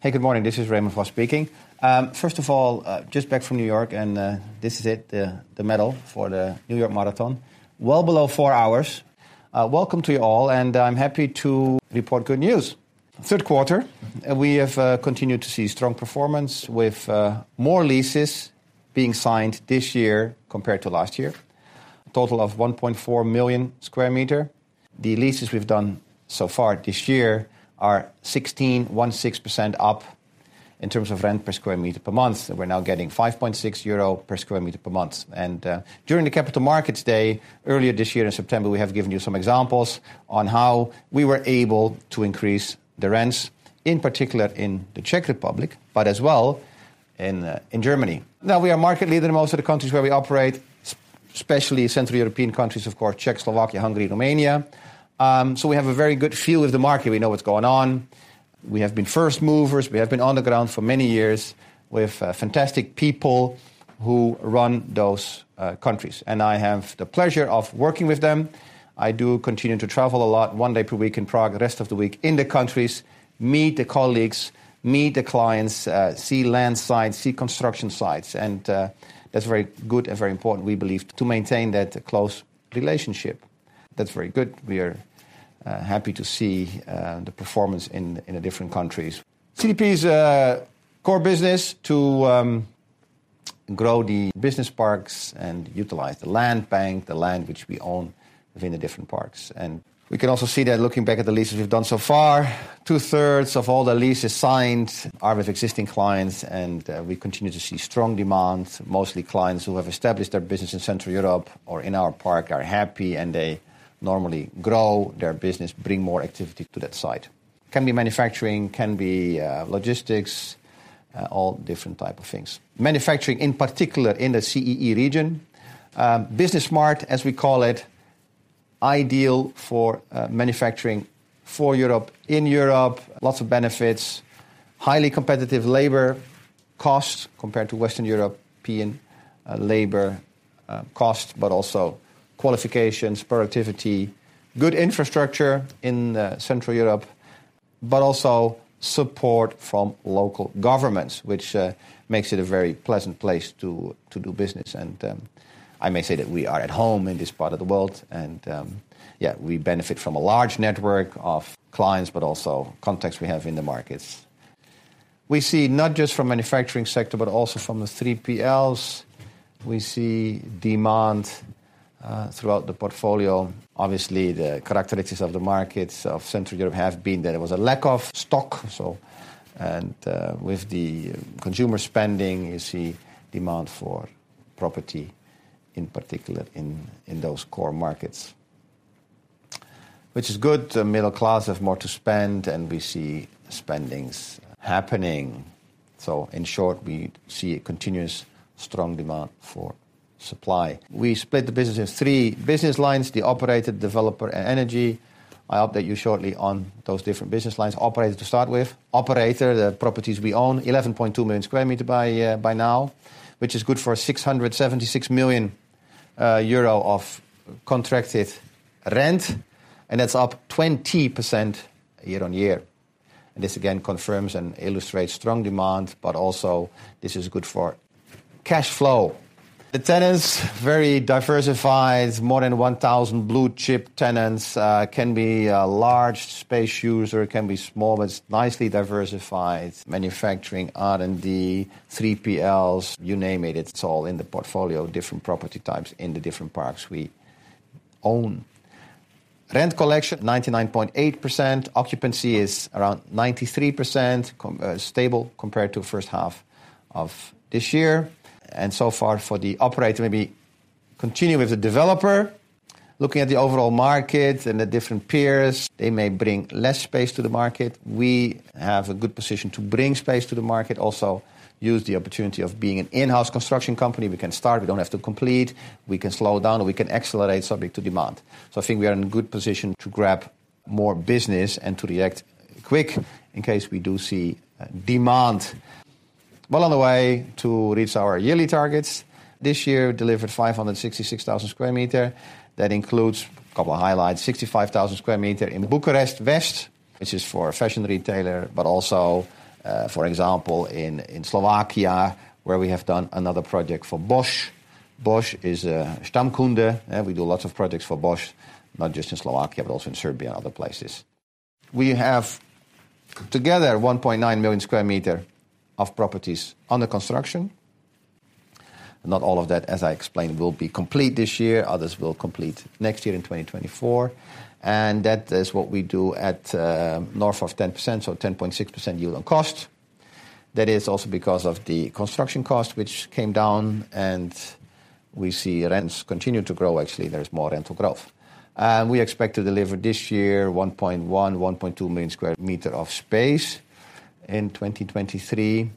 Hey, good morning. This is Remon Vos speaking. First of all, just back from New York and, this is it, the medal for the New York Marathon, well below four hours. Welcome to you all, and I'm happy to report good news. Third quarter, we have continued to see strong performance with more leases being signed this year compared to last year, a total of 1.4 million square meters. The leases we've done so far this year are 16.16% up in terms of rent per square meter per month, and we're now getting 5.6 euro per square meter per month. During the Capital Markets Day, earlier this year in September, we have given you some examples on how we were able to increase the rents, in particular in the Czech Republic, but as well in Germany. Now, we are market leader in most of the countries where we operate, especially Central European countries, of course, Czech, Slovakia, Hungary, Romania. So we have a very good feel of the market. We know what's going on. We have been first movers. We have been on the ground for many years with fantastic people who run those countries, and I have the pleasure of working with them. I do continue to travel a lot, one day per week in Prague, the rest of the week in the countries, meet the colleagues, meet the clients, see land sites, see construction sites, and, that's very good and very important, we believe, to maintain that close relationship. That's very good. We are happy to see the performance in the different countries. CTP's core business to grow the business parks and utilize the land bank, the land which we own within the different parks. And we can also see that looking back at the leases we've done so far, two-thirds of all the leases signed are with existing clients, and, we continue to see strong demand. Mostly clients who have established their business in Central Europe or in our park are happy, and they normally grow their business, bring more activity to that site. Can be manufacturing, can be, logistics, all different type of things. Manufacturing, in particular in the CEE region, Business Park, as we call it, ideal for, manufacturing for Europe, in Europe. Lots of benefits, highly competitive labor costs compared to Western European, labor, costs, but also qualifications, productivity. Good infrastructure in, Central Europe, but also support from local governments, which, makes it a very pleasant place to, to do business. And, I may say that we are at home in this part of the world, and, yeah, we benefit from a large network of clients, but also contacts we have in the markets. We see not just from manufacturing sector, but also from the 3PLs. We see demand throughout the portfolio. Obviously, the characteristics of the markets of Central Europe have been that there was a lack of stock, so... And with the consumer spending, you see demand for property, in particular in those core markets, which is good. The middle class have more to spend, and we see spendings happening. So in short, we see a continuous strong demand for supply. We split the business in three business lines: the operator, developer, and energy. I'll update you shortly on those different business lines. Operator to start with. Operator, the properties we own, 11.2 million sqm by now, which is good for 676 million euro of contracted rent, and that's up 20% year-on-year. This again confirms and illustrates strong demand, but also this is good for cash flow. The tenants, very diversified, more than 1,000 blue-chip tenants, can be a large space user, can be small, but it's nicely diversified. Manufacturing, R&D, 3PLs, you name it, it's all in the portfolio, different property types in the different parks we own. Rent collection, 99.8%. Occupancy is around 93%, stable compared to first half of this year. So far for the operator, maybe continue with the developer. Looking at the overall market and the different peers, they may bring less space to the market. We have a good position to bring space to the market. Also, use the opportunity of being an in-house construction company. We can start, we don't have to complete, we can slow down, or we can accelerate subject to demand. So I think we are in a good position to grab more business and to react quick in case we do see demand. Well, on the way to reach our yearly targets, this year delivered 566,000 square meters. That includes a couple of highlights, 65,000 square meters in Bucharest West, which is for a fashion retailer, but also, for example, in Slovakia, where we have done another project for Bosch. Bosch is a Stammkunde, and we do lots of projects for Bosch, not just in Slovakia, but also in Serbia and other places. We have together 1.9 million square meters of properties under construction. Not all of that, as I explained, will be complete this year. Others will complete next year in 2024, and that is what we do at north of 10%, so 10.6% yield on cost. That is also because of the construction cost, which came down, and we see rents continue to grow. Actually, there is more rental growth. We expect to deliver this year 1.1-1.2 million square meter of space in 2023.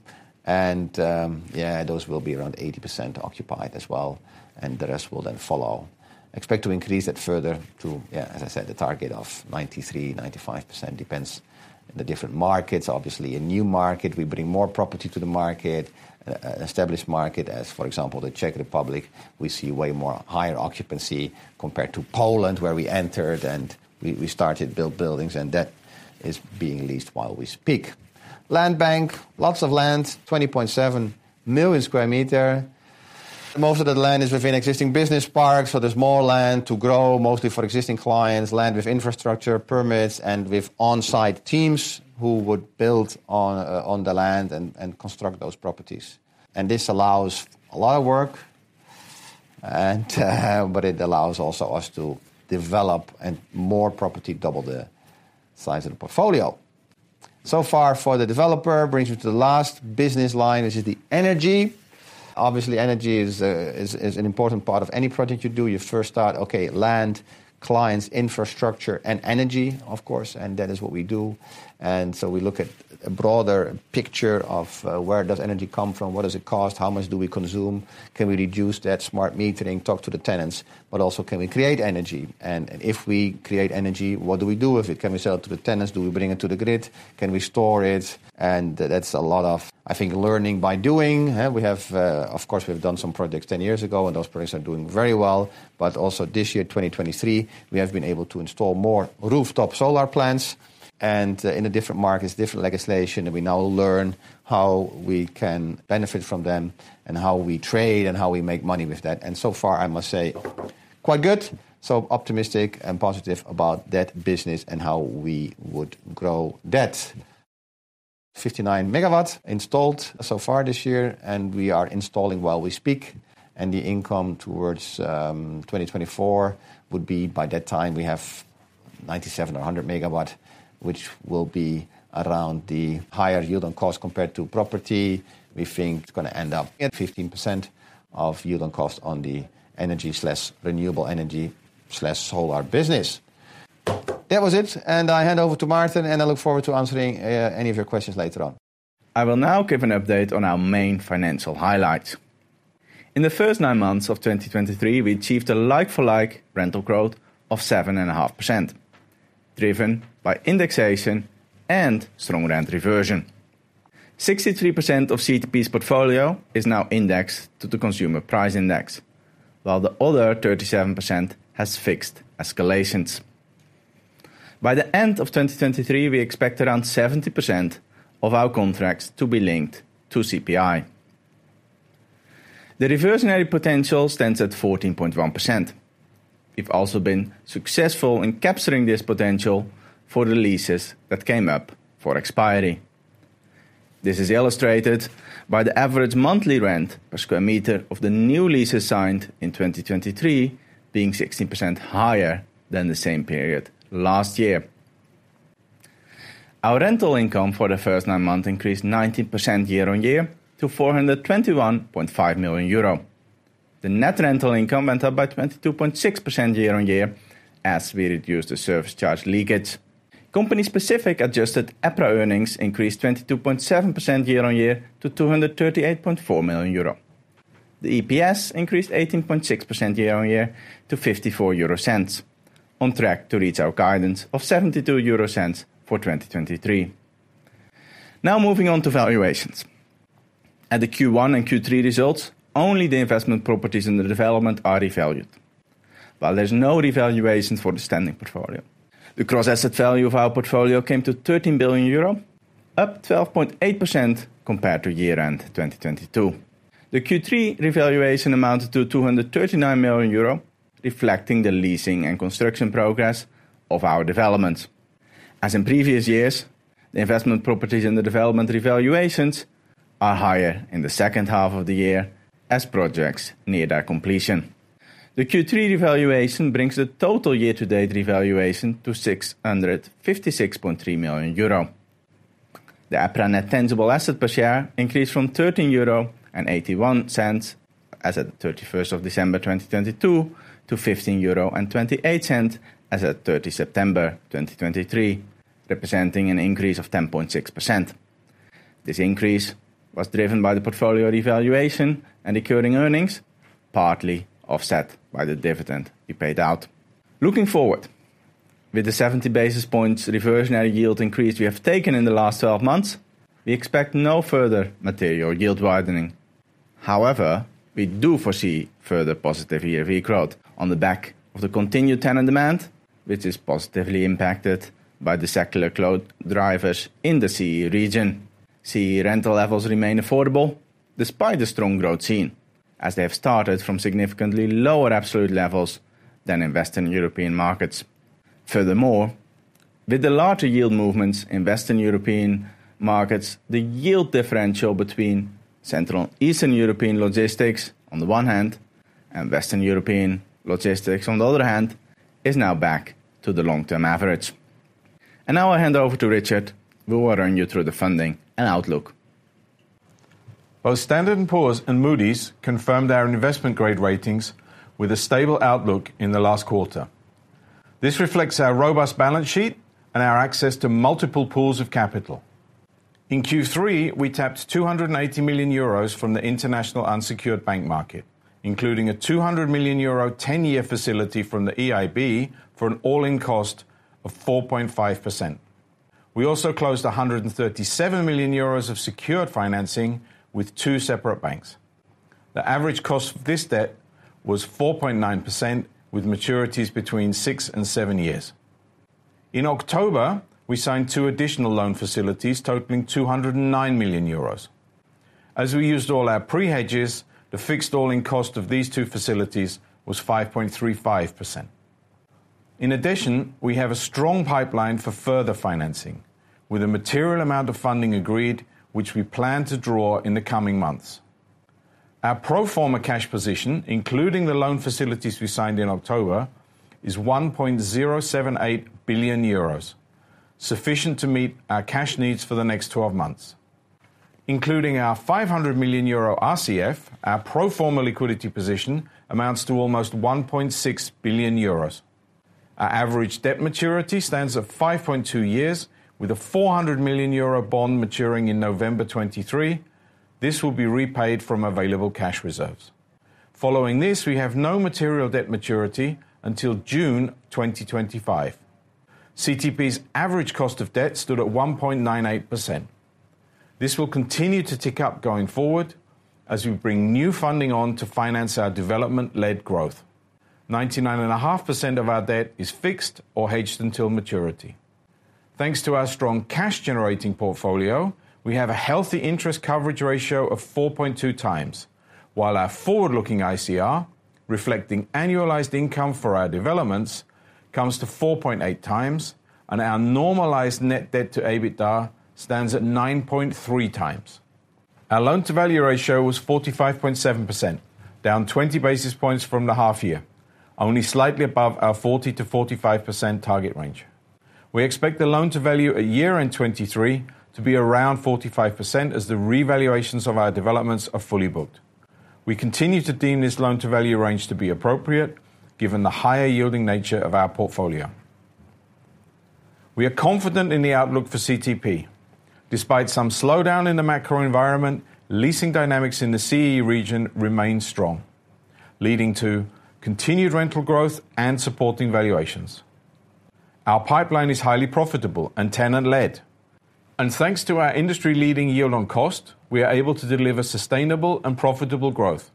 Those will be around 80% occupied as well, and the rest will then follow. Expect to increase that further to, as I said, the target of 93%-95%, depends on the different markets. Obviously, a new market, we bring more property to the market. Established market, as for example, the Czech Republic, we see way more higher occupancy compared to Poland, where we entered and we started build buildings, and that is being leased while we speak. Land bank, lots of land, 20.7 million square meters. Most of the land is within existing business parks, so there's more land to grow, mostly for existing clients, land with infrastructure, permits, and with on-site teams who would build on the land and construct those properties. And this allows a lot of work, but it allows also us to develop more property, double the size of the portfolio. So far for the developer, brings me to the last business line, which is the energy. Obviously, energy is an important part of any project you do. You first start, okay, land, clients, infrastructure, and energy, of course, and that is what we do. And so we look at a broader picture of, where does energy come from? What does it cost? How much do we consume? Can we reduce that smart metering? Talk to the tenants. But also, can we create energy? And if we create energy, what do we do with it? Can we sell it to the tenants? Do we bring it to the grid? Can we store it? And that's a lot of, I think, learning by doing. We have, of course, we've done some projects 10 years ago, and those projects are doing very well. But also this year, 2023, we have been able to install more rooftop solar plants, and in different markets, different legislation, and we now learn how we can benefit from them, and how we trade, and how we make money with that. And so far, I must say, quite good. So optimistic and positive about that business and how we would grow that. 59 MW installed so far this year, and we are installing while we speak, and the income towards, 2024, would be by that time we have 97 or 100 MW, which will be around the higher yield on cost compared to property. We think it's gonna end up at 15% yield on cost on the energy/renewable energy/solar business. That was it, and I hand over to Maarten, and I look forward to answering any of your questions later on. I will now give an update on our main financial highlights. In the first nine months of 2023, we achieved a like-for-like rental growth of 7.5%, driven by indexation and strong rent reversion. 63% of CTP's portfolio is now indexed to the Consumer Price Index, while the other 37% has fixed escalations. By the end of 2023, we expect around 70% of our contracts to be linked to CPI. The reversionary potential stands at 14.1%. We've also been successful in capturing this potential for the leases that came up for expiry. This is illustrated by the average monthly rent per square meter of the new leases signed in 2023, being 16% higher than the same period last year. Our rental income for the first nine months increased 19% year-on-year to 421.5 million euro. The net rental income went up by 22.6% year-on-year, as we reduced the service charge leakage. Company-specific adjusted EPRA earnings increased 22.7% year-on-year to 238.4 million euro. The EPS increased 18.6% year-on-year to 0.54, on track to reach our guidance of 0.72 for 2023. Now, moving on to valuations. At the Q1 and Q3 results, only the investment properties in the development are revalued, while there's no revaluation for the standing portfolio. The gross asset value of our portfolio came to 13 billion euro, up 12.8% compared to year-end 2022. The Q3 revaluation amounted to EUR 239 million, reflecting the leasing and construction progress of our developments. As in previous years, the investment properties and the development revaluations are higher in the second half of the year as projects near their completion. The Q3 revaluation brings the total year-to-date revaluation to 656.3 million euro. The EPRA net tangible asset per share increased from 13.81 euro as at 31 December 2022, to 15.28 euro as at 30 September 2023, representing an increase of 10.6%. This increase was driven by the portfolio revaluation and accruing earnings, partly offset by the dividend we paid out. Looking forward, with the 70 basis points reversionary yield increase we have taken in the last twelve months, we expect no further material yield widening. However, we do foresee further positive year-over-year growth on the back of the continued tenant demand, which is positively impacted by the secular growth drivers in the CEE region. CEE rental levels remain affordable despite the strong growth seen, as they have started from significantly lower absolute levels than investment in European markets. Furthermore, with the larger yield movements in Western European markets, the yield differential between Central and Eastern European logistics, on the one hand, and Western European logistics, on the other hand, is now back to the long-term average. Now I hand over to Richard, who will run you through the funding and outlook. Both Standard & Poor's and Moody's confirmed our investment grade ratings with a stable outlook in the last quarter. This reflects our robust balance sheet and our access to multiple pools of capital. In Q3, we tapped 280 million euros from the international unsecured bank market, including a 200 million euro ten-year facility from the EIB for an all-in cost of 4.5%. We also closed 137 million euros of secured financing with two separate banks. The average cost of this debt was 4.9%, with maturities between six and seven years. In October, we signed two additional loan facilities totaling 209 million euros. As we used all our pre-hedges, the fixed all-in cost of these two facilities was 5.35%. In addition, we have a strong pipeline for further financing, with a material amount of funding agreed, which we plan to draw in the coming months. Our pro forma cash position, including the loan facilities we signed in October, is 1.078 billion euros, sufficient to meet our cash needs for the next 12 months. Including our 500 million euro RCF, our pro forma liquidity position amounts to almost 1.6 billion euros. Our average debt maturity stands at 5.2 years, with a 400 million euro bond maturing in November 2023. This will be repaid from available cash reserves. Following this, we have no material debt maturity until June 2025. CTP's average cost of debt stood at 1.98%. This will continue to tick up going forward as we bring new funding on to finance our development-led growth. 99.5% of our debt is fixed or hedged until maturity. Thanks to our strong cash-generating portfolio, we have a healthy interest coverage ratio of 4.2 times, while our forward-looking ICR, reflecting annualized income for our developments, comes to 4.8 times, and our normalized net debt to EBITDA stands at 9.3 times. Our loan-to-value ratio was 45.7%, down 20 basis points from the half year, only slightly above our 40%-45% target range. We expect the loan-to-value in 2023 to be around 45%, as the revaluations of our developments are fully booked. We continue to deem this loan-to-value range to be appropriate, given the higher-yielding nature of our portfolio. We are confident in the outlook for CTP. Despite some slowdown in the macro environment, leasing dynamics in the CEE region remain strong, leading to continued rental growth and supporting valuations. Our pipeline is highly profitable and tenant-led, and thanks to our industry-leading yield on cost, we are able to deliver sustainable and profitable growth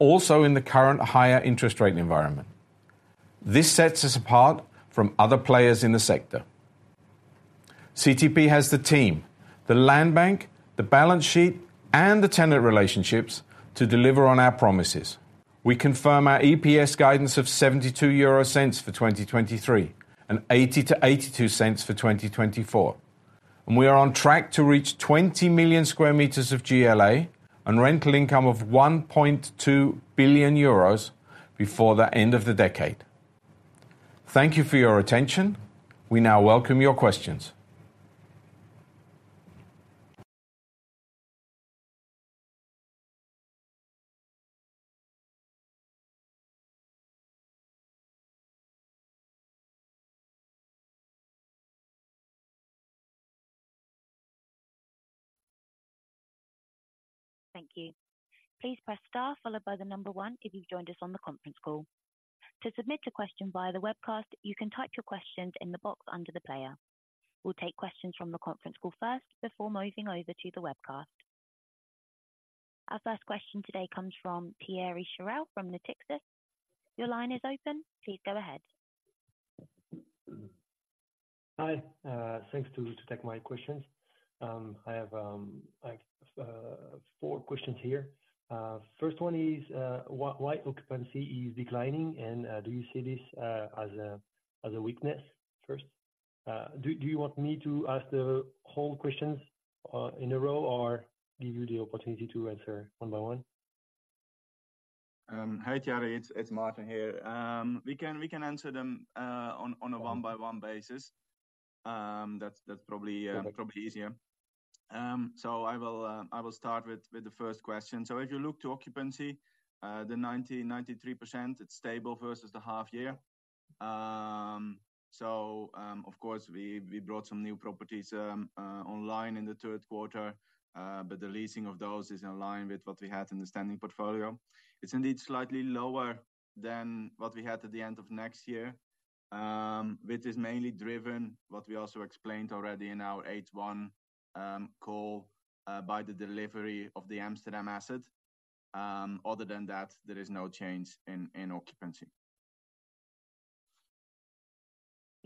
also in the current higher interest rate environment. This sets us apart from other players in the sector. CTP has the team, the land bank, the balance sheet, and the tenant relationships to deliver on our promises. We confirm our EPS guidance of 0.72 for 2023 and 0.80-0.82 for 2024. We are on track to reach 20 million square meters of GLA and rental income of 1.2 billion euros before the end of the decade. Thank you for your attention. We now welcome your questions. Thank you. Please press star followed by the number one if you've joined us on the conference call. To submit a question via the webcast, you can type your questions in the box under the player. We'll take questions from the conference call first before moving over to the webcast. Our first question today comes from Thierry Cherel from Natixis. Your line is open. Please go ahead. Hi, thanks to take my questions. I have, like, four questions here. First one is, why occupancy is declining, and do you see this as a weakness first? Do you want me to ask the whole questions in a row or give you the opportunity to answer one by one? Hi, Thierry. It's Maarten here. We can answer them on a one-by-one basis. That's probably easier. So I will start with the first question. So if you look to occupancy, the 93%, it's stable versus the half year. So, of course, we brought some new properties online in the third quarter, but the leasing of those is in line with what we had in the standing portfolio. It's indeed slightly lower than what we had at the end of next year, which is mainly driven, what we also explained already in our H1 call, by the delivery of the Amsterdam asset. Other than that, there is no change in occupancy.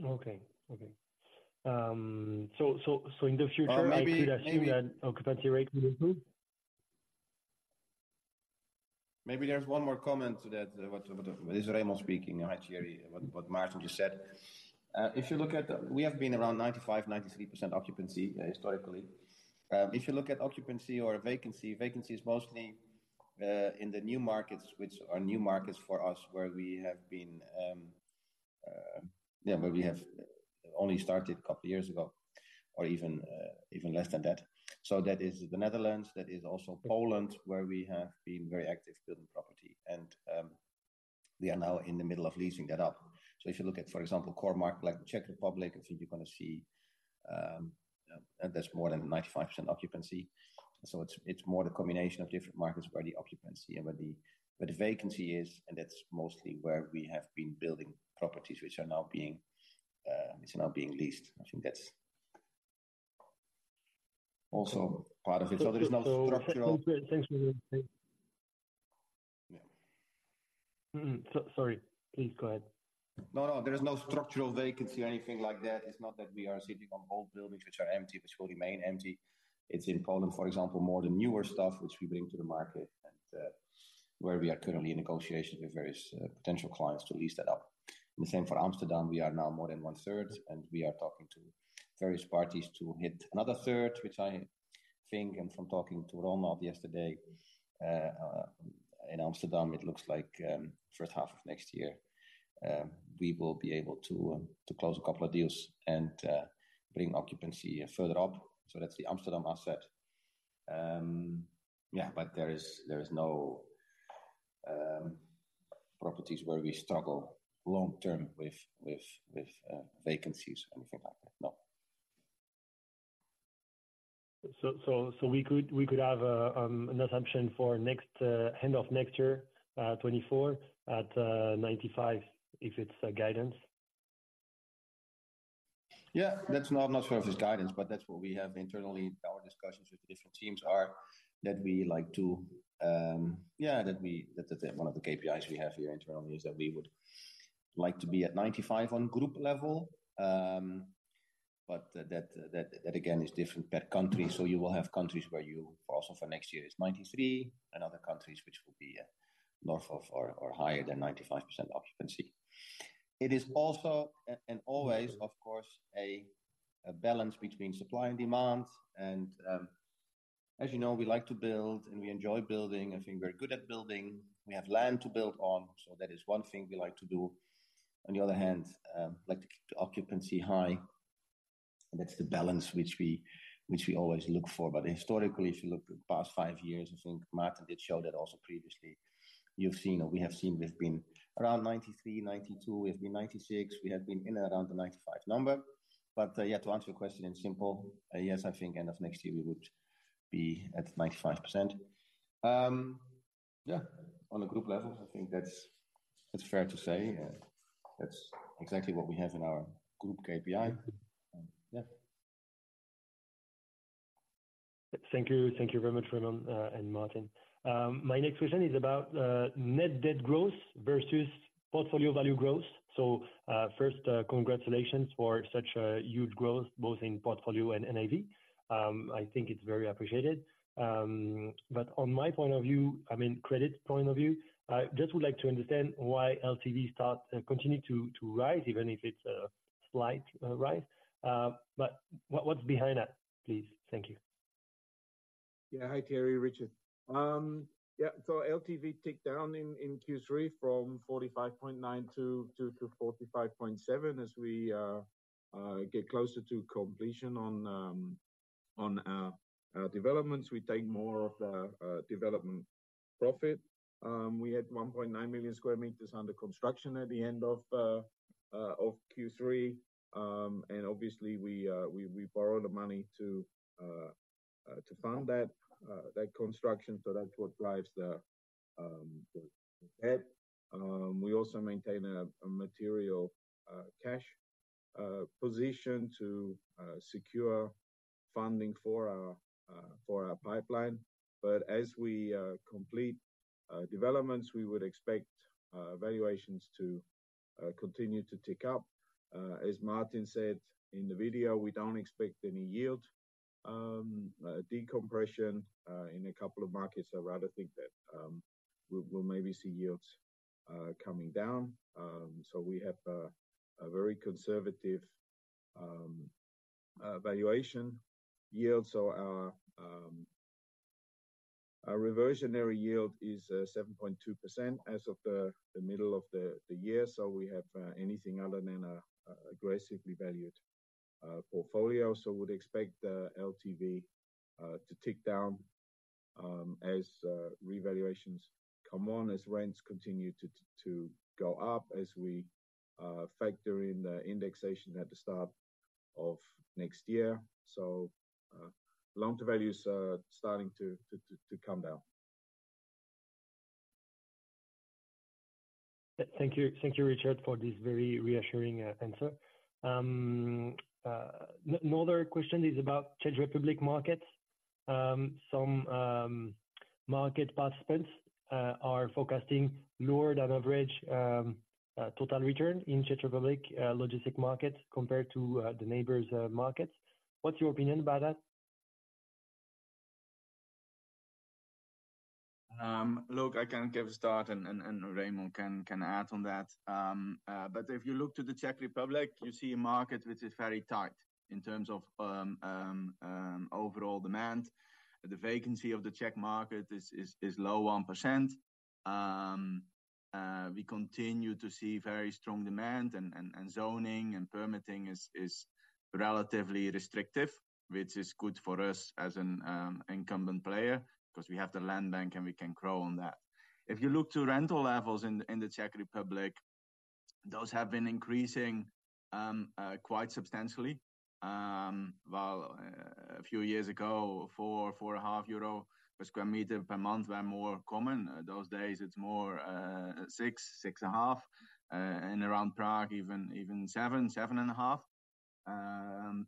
Okay. Okay. So in the future- Or maybe, maybe- I could assume that occupancy rate will improve? Maybe there's one more comment to that. This is Remon speaking. Hi, Thierry. What Maarten just said. If you look at, we have been around 95-93% occupancy historically. If you look at occupancy or vacancy, vacancy is mostly in the new markets, which are new markets for us, where we have been, yeah, where we have only started a couple of years ago, or even, even less than that. So that is the Netherlands. That is also Poland, where we have been very active building property, and, we are now in the middle of leasing that up. So if you look at, for example, core market like the Czech Republic, I think you're going to see, that's more than 95% occupancy. So it's more the combination of different markets where the occupancy and the vacancy is, and that's mostly where we have been building properties, which are now being leased. I think that's also part of it. So there is no structural- Thanks for the update... Mm-mm. So sorry, please go ahead. No, no, there is no structural vacancy or anything like that. It's not that we are sitting on old buildings which are empty, which will remain empty. It's in Poland, for example, more the newer stuff which we bring to the market, and where we are currently in negotiations with various potential clients to lease that out. And the same for Amsterdam, we are now more than one-third, and we are talking to various parties to hit another third, which I think, and from talking to Ronald yesterday, in Amsterdam, it looks like first half of next year, we will be able to to close a couple of deals and bring occupancy further up. So that's the Amsterdam asset. Yeah, but there is no properties where we struggle long term with vacancies or anything like that. No. So we could have an assumption for next end of next year, 2024 at 95, if it's a guidance? Yeah, that's not, not perfect guidance, but that's what we have internally. Our discussions with the different teams are that we like to. Yeah, that the one of the KPIs we have here internally is that we would like to be at 95 on group level. But that again is different per country. So you will have countries where you also for next year is 93, and other countries which will be north of or higher than 95% occupancy. It is also and always, of course, a balance between supply and demand, and as you know, we like to build, and we enjoy building. I think we're good at building. We have land to build on, so that is one thing we like to do. On the other hand, we like to keep the occupancy high, and that's the balance which we always look for. But historically, if you look at the past five years, I think Maarten did show that also previously, you've seen or we have seen, we've been around 93, 92, we've been 96. We have been in and around the 95 number. But to answer your question in simple, yes, I think end of next year, we would be at 95%. On a group level, I think that's fair to say, and that's exactly what we have in our group KPI. Thank you. Thank you very much, Remon, and Maarten. My next question is about net debt growth versus portfolio value growth. So, first, congratulations for such a huge growth, both in portfolio and NAV. I think it's very appreciated. But on my point of view, I mean, credit point of view, I just would like to understand why LTV continues to rise, even if it's a slight rise. But what's behind that, please? Thank you. Yeah. Hi, Thierry. Richard. Yeah, so LTV ticked down in Q3 from 45.9 to 45.7. As we get closer to completion on our developments, we take more of the development profit. We had 1.9 million square meters under construction at the end of Q3. And obviously we borrowed the money to fund that construction. So that's what drives the debt. We also maintain a material cash position to secure funding for our pipeline. But as we complete developments, we would expect valuations to continue to tick up. As Maarten said in the video, we don't expect any yield decompression in a couple of markets. I rather think that we'll maybe see yields coming down. So we have a very conservative valuation yield. So our reversionary yield is 7.2% as of the middle of the year. So we have anything other than a aggressively valued portfolio. So would expect the LTV to tick down as revaluations come on, as rents continue to go up, as we factor in the indexation at the start of next year. So loan to values are starting to come down. Thank you. Thank you, Richard, for this very reassuring answer. Another question is about Czech Republic markets. Some market participants are forecasting lower than average total return in Czech Republic logistics markets compared to the neighbors' markets. What's your opinion about that? Look, I can give a start and Remon can add on that. But if you look to the Czech Republic, you see a market which is very tight in terms of overall demand. The vacancy of the Czech market is low, 1%. We continue to see very strong demand, and zoning and permitting is relatively restrictive, which is good for us as an incumbent player, 'cause we have the land bank and we can grow on that. If you look to rental levels in the Czech Republic, those have been increasing quite substantially. A few years ago, 4-4.5 euro per square meter per month were more common. Those days it's more, 6-6.5, and around Prague, even 7-7.5.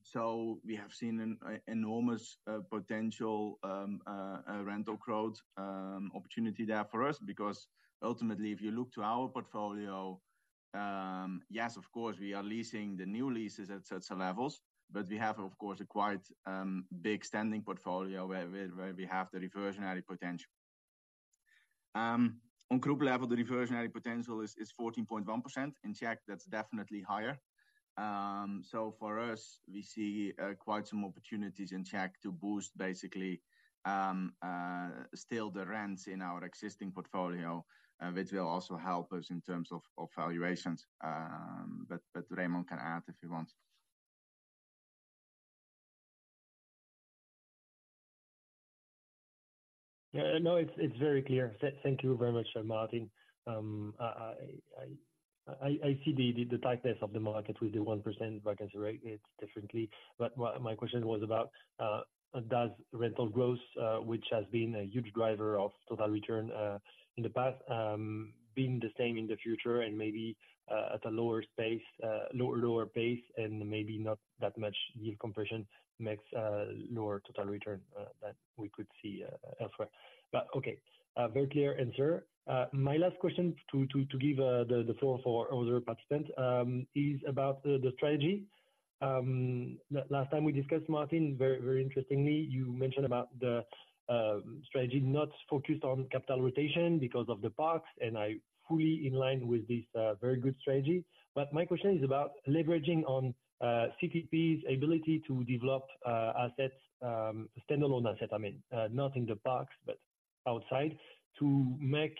So we have seen an enormous potential rental growth opportunity there for us, because ultimately, if you look to our portfolio, yes, of course, we are leasing the new leases at such levels, but we have, of course, a quite big standing portfolio where we have the reversionary potential. On group level, the reversionary potential is 14.1%. In Czech, that's definitely higher. So for us, we see quite some opportunities in Czech to boost basically still the rents in our existing portfolio, which will also help us in terms of valuations. But Remon can add if he wants. Yeah, no, it's very clear. Thank you very much, Maarten. I see the tightness of the market with the 1% vacancy rate; it's different. But my question was about does rental growth, which has been a huge driver of total return in the past, being the same in the future and maybe at a lower pace, and maybe not that much yield compression makes lower total return that we could see elsewhere. But okay, very clear answer. My last question to give the floor for other participants is about the strategy. Last time we discussed, Maarten, very, very interestingly, you mentioned about the strategy not focused on capital rotation because of the parks, and I fully in line with this very good strategy. But my question is about leveraging on CTP's ability to develop assets, standalone asset, I mean not in the parks, but outside, to make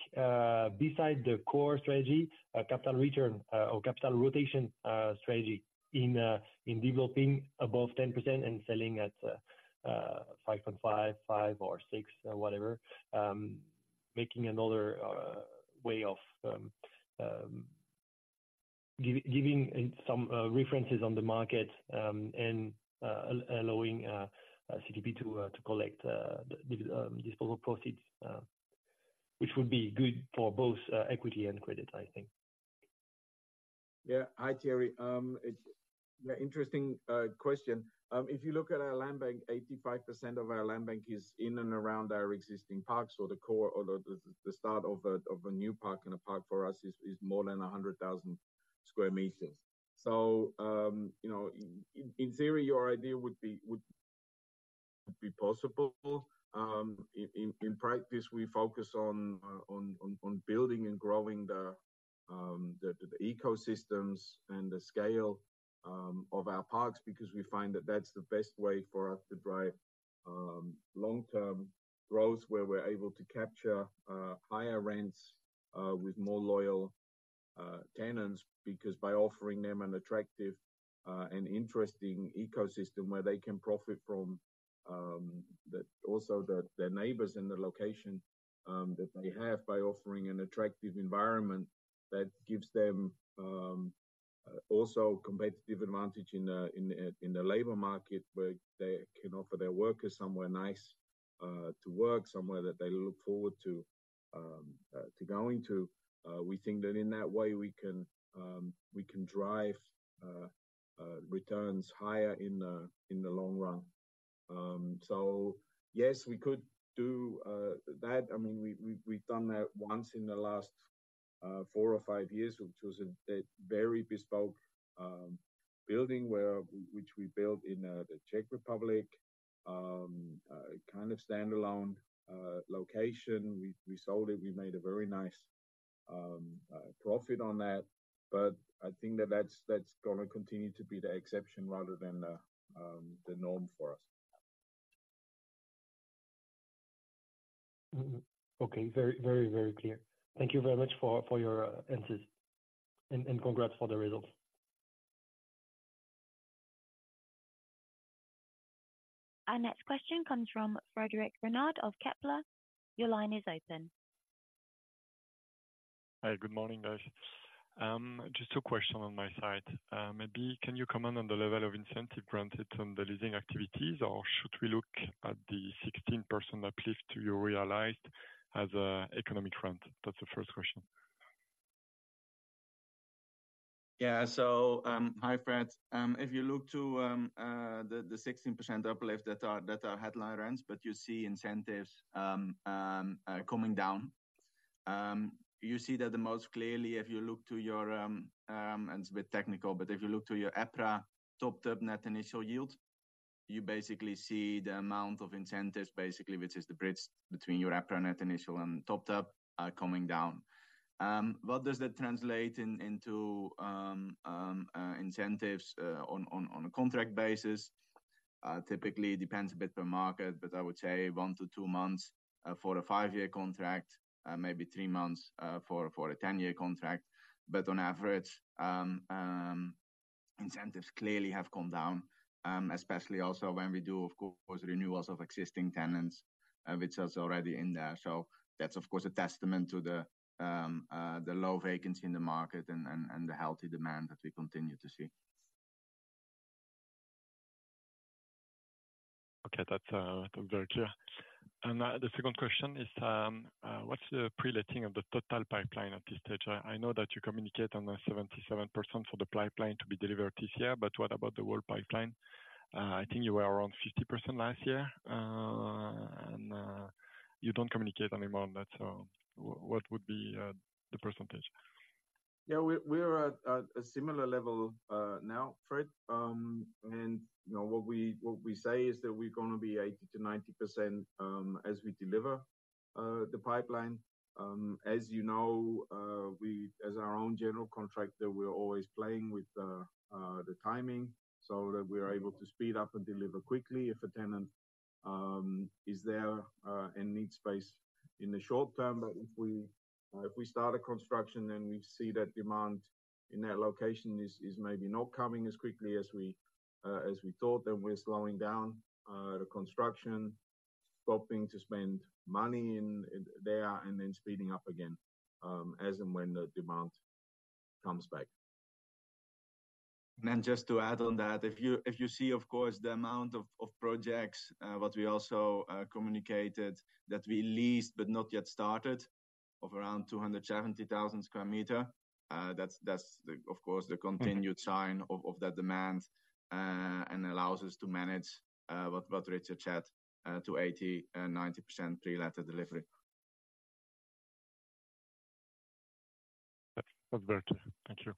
beside the core strategy, a capital return or capital rotation strategy in developing above 10% and selling at 5.5, five or six, or whatever. Making another way of giving in some references on the market, and allowing CTP to collect the disposal proceeds, which would be good for both equity and credit, I think. Yeah. Hi, Thierry. It's yeah, interesting question. If you look at our land bank, 85% of our land bank is in and around our existing parks, so the core or the start of a new park, and a park for us is more than 100,000 square meters. So, you know, in practice, we focus on building and growing the ecosystems and the scale of our parks, because we find that that's the best way for us to drive long-term growth, where we're able to capture higher rents with more loyal tenants. Because by offering them an attractive and interesting ecosystem where they can profit from the... Also, the neighbors in the location that they have by offering an attractive environment that gives them also competitive advantage in the labor market, where they can offer their workers somewhere nice to work, somewhere that they look forward to going to. We think that in that way, we can drive returns higher in the long run. So yes, we could do that. I mean, we've done that once in the last four or five years, which was a very bespoke building which we built in the Czech Republic, a kind of standalone location. We sold it. We made a very nice profit on that, but I think that's gonna continue to be the exception rather than the norm for us. Mm-hmm. Okay. Very, very, very clear. Thank you very much for your answers, and congrats for the results. Our next question comes from Frédéric Renard of Kepler. Your line is open. Hi, good morning, guys. Just a question on my side. Maybe can you comment on the level of incentive granted on the leasing activities, or should we look at the 16% uplift you realized as an economic rent? That's the first question. Yeah. So, hi, Fred. If you look to the 16% uplift, that are headline rents, but you see incentives coming down. You see that the most clearly if you look to your... And it's a bit technical, but if you look to your EPRA topped up net initial yield, you basically see the amount of incentives, basically, which is the bridge between your EPRA net initial and topped up coming down. What does that translate into incentives on a contract basis? Typically, it depends a bit per market, but I would say one to two months for a five year contract, maybe three months for a 10-year contract. On average, incentives clearly have come down, especially also when we do, of course, renewals of existing tenants, which is already in there. That's of course a testament to the low vacancy in the market and the healthy demand that we continue to see.... Okay, that's, that's very clear. And, the second question is, what's the pre-letting of the total pipeline at this stage? I know that you communicate on the 77% for the pipeline to be delivered this year, but what about the whole pipeline? I think you were around 50% last year, and, you don't communicate anymore on that. So what would be the percentage? Yeah, we're at a similar level now, Fred. And, you know, what we say is that we're going to be 80%-90% as we deliver the pipeline. As you know, as our own general contractor, we're always playing with the timing so that we are able to speed up and deliver quickly if a tenant is there and needs space in the short term. But if we start a construction, then we see that demand in that location is maybe not coming as quickly as we thought, then we're slowing down the construction, stopping to spend money in there, and then speeding up again as and when the demand comes back. Just to add on that, if you see, of course, the amount of projects, what we also communicated that we leased but not yet started, of around 270,000 square meters, that's the continued sign of that demand, and allows us to manage what Richard said, to 80%-90% pre-let delivery. That's great. Thank you.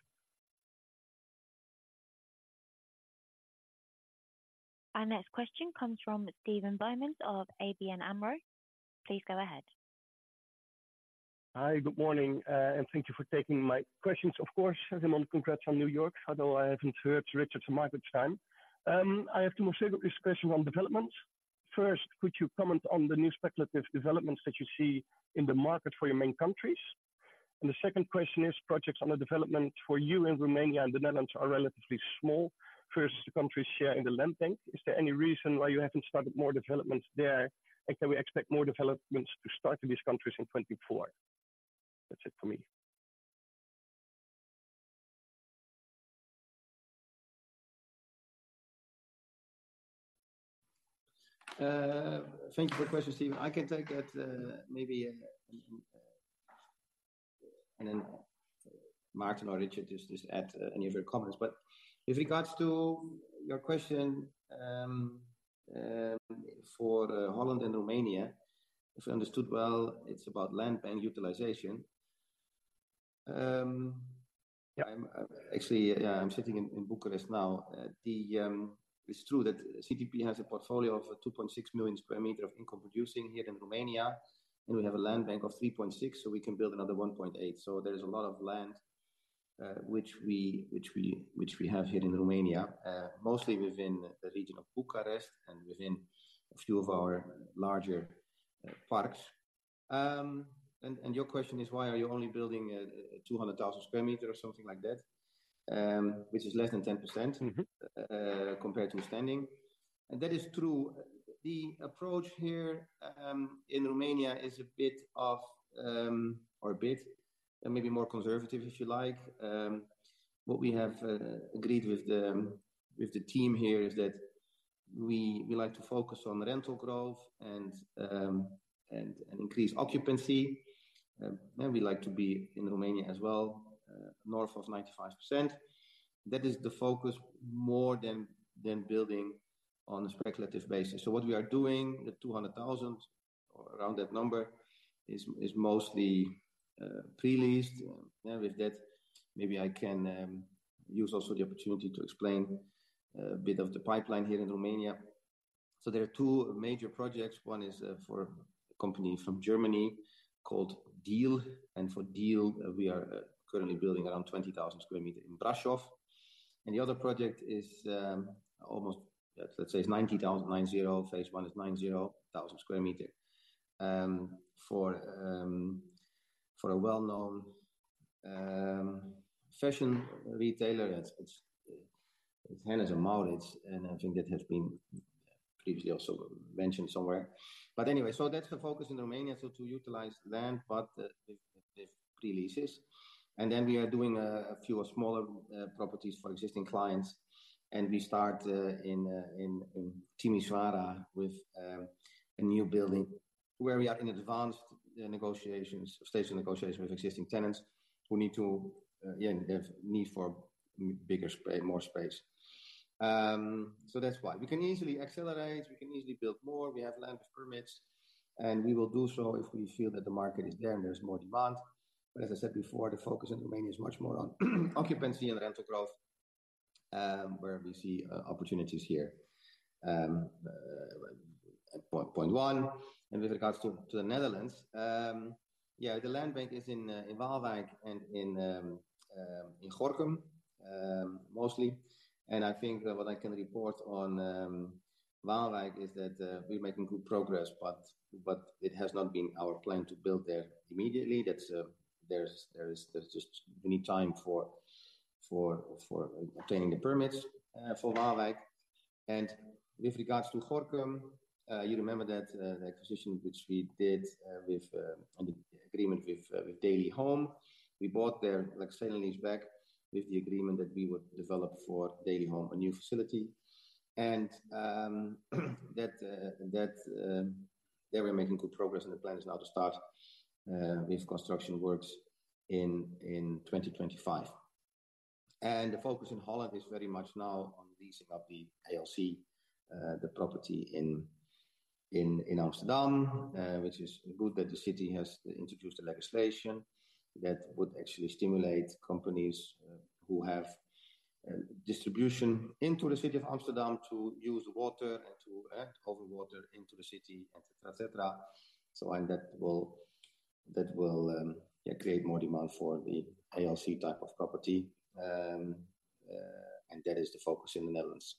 Our next question comes from Steven Boumans of ABN AMRO. Please go ahead. Hi, good morning, and thank you for taking my questions. Of course, Simon, congrats on New York, although I haven't heard Richard's and Maarten's time. I have two more separate questions on development. First, could you comment on the new speculative developments that you see in the market for your main countries? And the second question is, projects under development for you in Romania and the Netherlands are relatively small versus the country's share in the land bank. Is there any reason why you haven't started more developments there, and can we expect more developments to start in these countries in 2024? That's it for me. Thank you for the question, Steven. I can take that, maybe, and then Maarten or Richard, just add any of your comments. But with regards to your question, for Holland and Romania, if I understood well, it's about land bank utilization. Yeah. Actually, yeah, I'm sitting in Bucharest now. It's true that CTP has a portfolio of 2.6 million square meters of income producing here in Romania, and we have a land bank of 3.6, so we can build another 1.8. So there is a lot of land which we have here in Romania, mostly within the region of Bucharest and within a few of our larger parks. And your question is, why are you only building 200,000 square meters or something like that? Which is less than 10%- Mm-hmm... compared to standing. That is true. The approach here in Romania is a bit of, or a bit, maybe more conservative, if you like. What we have agreed with the, with the team here is that we, we like to focus on rental growth and, and increase occupancy. We like to be in Romania as well, north of 95%. That is the focus more than building on a speculative basis. What we are doing, the 200,000, or around that number, is mostly pre-leased. With that, maybe I can use also the opportunity to explain a bit of the pipeline here in Romania. There are two major projects. One is for a company from Germany called Diehl. For Diehl, we are currently building around 20,000 square meters in Brașov. The other project is almost, let's say it's 90,000. Phase one is 90,000 square meters for a well-known fashion retailer. It's H&M, and I think that has been previously also mentioned somewhere. Anyway, that's the focus in Romania, to utilize land, but with pre-leases. Then we are doing a few smaller properties for existing clients, and we start in Timișoara with a new building where we are in advanced negotiations stage of negotiations with existing tenants who need to have need for bigger space, more space. So that's why. We can easily accelerate, we can easily build more. We have land permits, and we will do so if we feel that the market is there and there's more demand. But as I said before, the focus in Romania is much more on occupancy and rental growth, where we see opportunities here, point one. And with regards to the Netherlands, yeah, the land bank is in Waalwijk and in Gorinchem, mostly. And I think what I can report on Waalwijk is that, we're making good progress, but it has not been our plan to build there immediately. That's... There's just, we need time for obtaining the permits for Waalwijk. And with regards to Gorinchem, you remember that, the acquisition which we did, with, on the agreement with, with Deli Home? We bought their sale-leaseback with the agreement that we would develop for Deli Home a new facility. And that we're making good progress, and the plan is now to start with construction works in 2025. And the focus in Holland is very much now on leasing of the ALC, the property in Amsterdam, which is good that the city has introduced the legislation that would actually stimulate companies who have distribution into the city of Amsterdam to use water and to over water into the city, et cetera, et cetera. So and that will create more demand for the ALC type of property. And that is the focus in the Netherlands.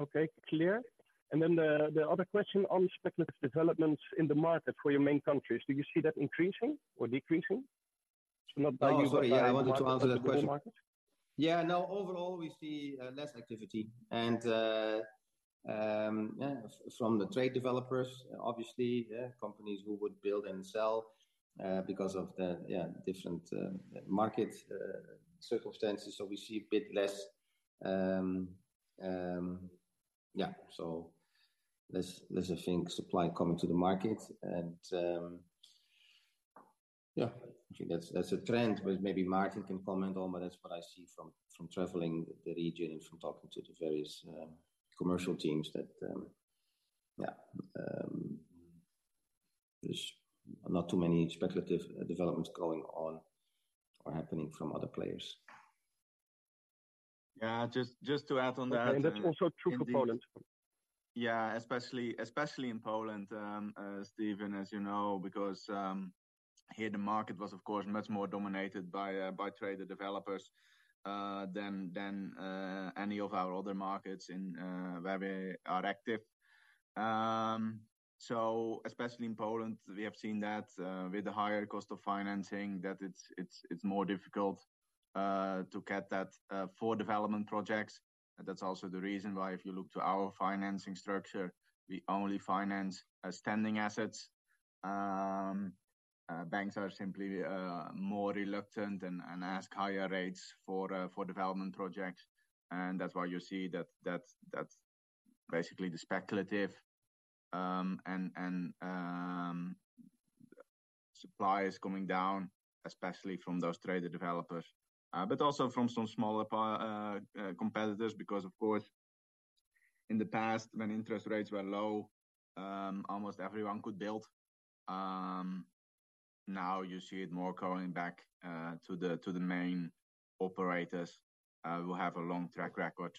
Okay, clear. And then the other question on speculative developments in the market for your main countries, do you see that increasing or decreasing? So not- Oh, sorry. Yeah, I wanted to answer that question. Yeah. No, overall, we see less activity and yeah, from the trader developers, obviously, yeah, companies who would build and sell because of the yeah, different market circumstances. So we see a bit less. Yeah, so there's a thing, supply coming to the market and yeah, I think that's a trend, but maybe Maarten can comment on it, but that's what I see from traveling the region and from talking to the various commercial teams that yeah, there's not too many speculative developments going on or happening from other players. Yeah, just to add on that... Okay. That's also true for Poland? Yeah, especially, especially in Poland, Steven, as you know, because here the market was of course much more dominated by trader developers than any of our other markets in where we are active. So especially in Poland, we have seen that with the higher cost of financing that it's more difficult to get that for development projects. And that's also the reason why if you look to our financing structure, we only finance standing assets. Banks are simply more reluctant and ask higher rates for development projects. That's why you see that, that's, that's basically the speculative supply is coming down, especially from those trader developers, but also from some smaller competitors, because of course, in the past, when interest rates were low, almost everyone could build. Now you see it more going back to the main operators who have a long track record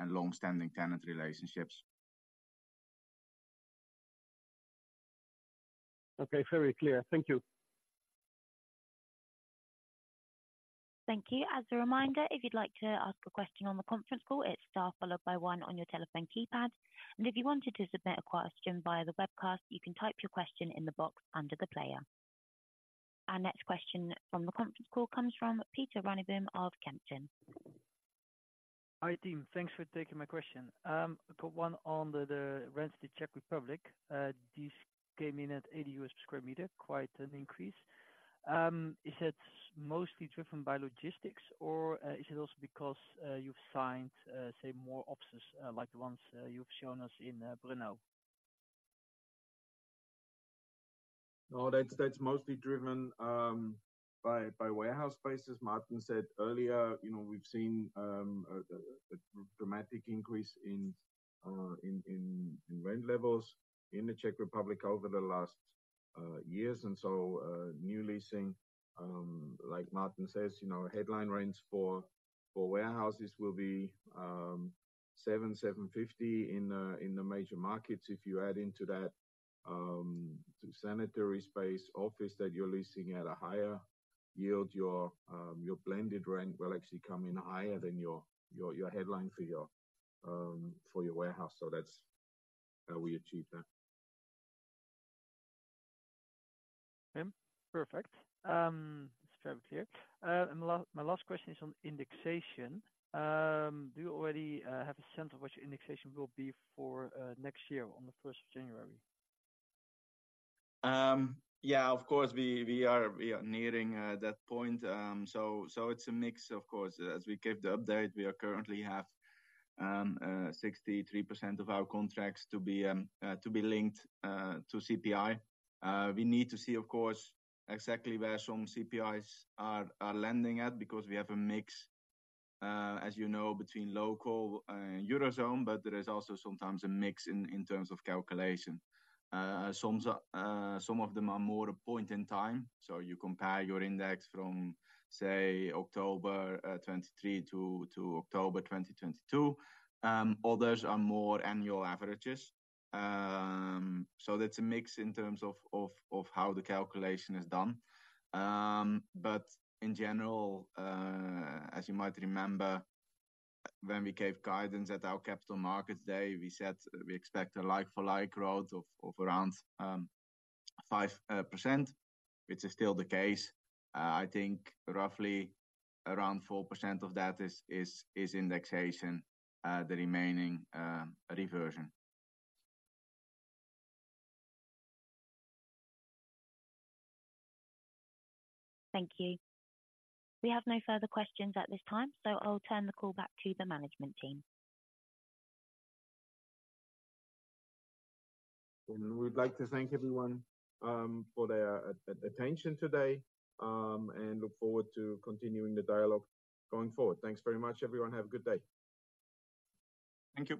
and long-standing tenant relationships. Okay, very clear. Thank you. Thank you. As a reminder, if you'd like to ask a question on the conference call, it's star followed by one on your telephone keypad. And if you wanted to submit a question via the webcast, you can type your question in the box under the player. Our next question from the conference call comes from Peter Van der Boom of Kempen. Hi, team. Thanks for taking my question. I put one on the, the rents, the Czech Republic. These came in at $80 per sq m, quite an increase. Is it mostly driven by logistics, or is it also because you've signed, say, more offices, like the ones you've shown us in Brno? No, that's mostly driven by warehouse prices. Maarten said earlier, you know, we've seen a dramatic increase in rent levels in the Czech Republic over the last years. And so new leasing, like Maarten says, you know, headline rents for warehouses will be 7.50 in the major markets. If you add into that, ancillary space office that you're leasing at a higher yield, your blended rent will actually come in higher than your headline for your warehouse. So that's how we achieve that. Perfect. It's very clear. My last question is on indexation. Do you already have a sense of what your indexation will be for next year on the first of January? Yeah, of course, we are nearing that point. So it's a mix, of course. As we gave the update, we are currently have 63% of our contracts to be linked to CPI. We need to see, of course, exactly where some CPIs are landing at, because we have a mix, as you know, between local and eurozone, but there is also sometimes a mix in terms of calculation. Some of them are more a point in time, so you compare your index from, say, October 2023 to October 2022. Others are more annual averages. So that's a mix in terms of how the calculation is done. But in general, as you might remember, when we gave guidance at our capital markets day, we said we expect a like-for-like growth of around 5%, which is still the case. I think roughly around 4% of that is indexation, the remaining reversion. Thank you. We have no further questions at this time, so I'll turn the call back to the management team. We'd like to thank everyone for their attention today and look forward to continuing the dialogue going forward. Thanks very much, everyone. Have a good day. Thank you.